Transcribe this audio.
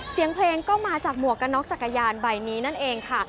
เสียงเพลงก็มาจากหมวกกระน็อกจักรยานใบนี้นั่นเองค่ะ